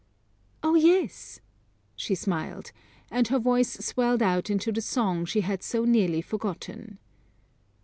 "Oh, yes!" she smiled, and her voice swelled out into the song she had so nearly forgotten.